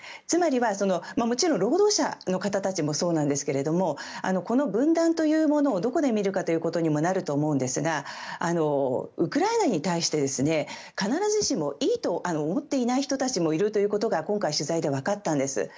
つまりは、もちろん労働者の方たちもそうですけどもこの分断というものをどこで見るかということにもなると思うんですがウクライナに対して必ずしもいいと思っていない人たちもいるということが今回、取材で分かったんです。